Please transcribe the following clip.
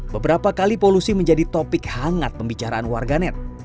beberapa kali polusi menjadi topik hangat pembicaraan warganet